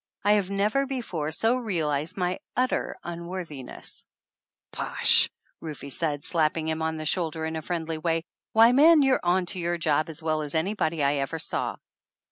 I have never before so realized my utter un worthiness !" "Bosh," Rufe said, slapping him on the shoulder in a friendly way. "Why, man, you're on to your job as well as anybody I ever saw.